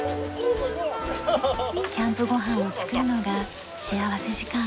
キャンプごはんを作るのが幸福時間。